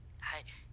はい。